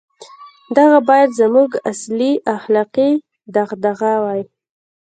• دغه باید زموږ اصلي اخلاقي دغدغه وای.